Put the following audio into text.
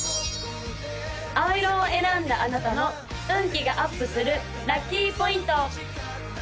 青色を選んだあなたの運気がアップするラッキーポイント！